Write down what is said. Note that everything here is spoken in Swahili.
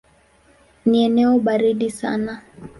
Ni eneo baridi sana.